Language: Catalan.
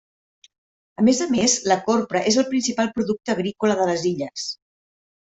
A més a més, la copra és el principal producte agrícola de les illes.